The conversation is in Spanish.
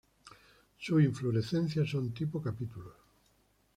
Sus inflorescencias son tipo capítulos.